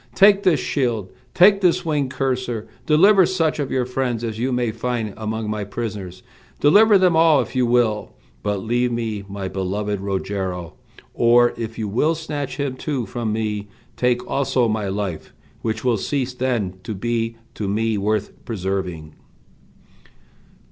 Take this shield, take this winged courser, deliver such of your friends as you may find among my prisoners, deliver them all if you will, but leave me my beloved Rogero; or if you will snatch him too from me, take also my life, which will cease then to be to me worth preserving."